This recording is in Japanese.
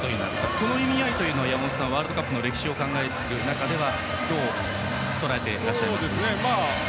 この意味合いというのは山本さん、ワールドカップの歴史を考える中ではどうとらえていらっしゃいますか。